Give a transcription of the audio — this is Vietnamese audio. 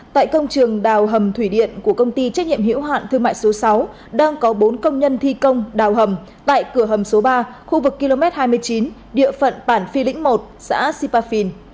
tại công trường đào hầm thủy điện của công ty trách nhiệm hiểu hạn thương mại số sáu đang có bốn công nhân thi công đào hầm tại cửa hầm số ba khu vực km hai mươi chín địa phận bản phi lĩnh một xã sipafin